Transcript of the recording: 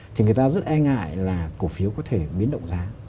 thì người ta rất e ngại là cổ phiếu có thể biến động giá